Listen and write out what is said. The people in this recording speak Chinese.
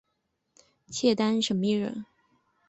契丹审密人。